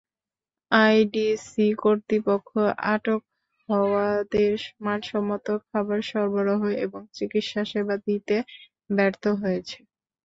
IDC কর্তৃপক্ষ আটক হওয়াদের মানসম্মত খাবার সরবরাহ এবং চিকিৎসাসেবা দিতে ব্যর্থ হয়েছে।